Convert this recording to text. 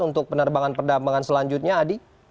untuk penerbangan perdambangan selanjutnya adi